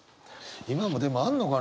今もでもあるのかな。